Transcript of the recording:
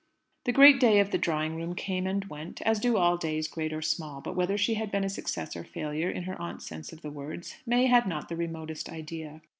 The great day of the Drawing room came and went, as do all days, great or small. But whether she had been a success or a failure, in her aunt's sense of the words, May had not the remotest idea.